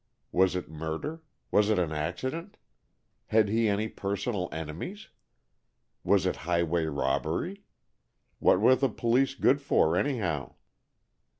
Was it murder? Was it an accident? Had he any personal enemies? Was it highway robbery? What were the police good for, anyhow?